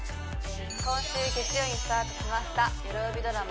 今週月曜にスタートしましたよるおびドラマ「